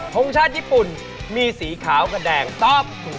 ทรงชาติญี่ปุ่นมีสีขาวกระแดงตอบ